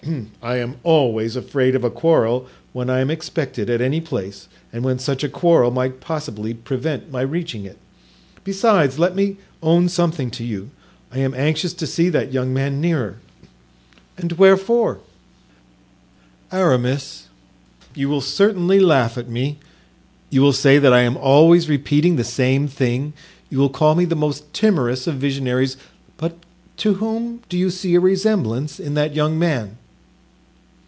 "I am always afraid of a quarrel when I am expected at any place and when such a quarrel might possibly prevent my reaching it. Besides, let me own something to you. I am anxious to see that young man nearer." "And wherefore?" "Aramis, you will certainly laugh at me, you will say that I am always repeating the same thing, you will call me the most timorous of visionaries; but to whom do you see a resemblance in that young man?"